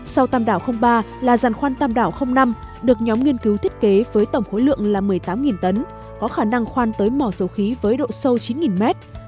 sau tam đảo ba là giàn khoan tam đảo năm được nhóm nghiên cứu thiết kế với tổng khối lượng là một mươi tám tấn có khả năng khoan tới mỏ dầu khí với độ sâu chín mét